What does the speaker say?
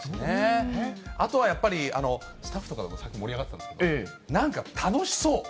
あとはやっぱりスタッフとかとさっき盛り上がったんですけれども、なんか楽しそう。